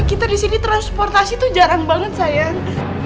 kita disini transportasi tuh jarang banget sayang